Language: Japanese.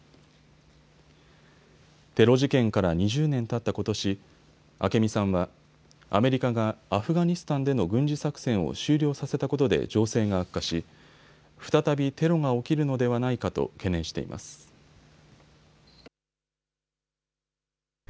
テロ事件から２０年たったことし、明美さんはアメリカがアフガニスタンでの軍事作戦を終了させたことで情勢が悪化し、再びテロが起きるのではないかと懸念しています。